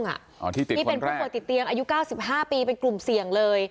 นี่เป็นผู้ป่วยติดเตียงอายุ๙๕ปีเป็นกลุ่มเสี่ยงเลย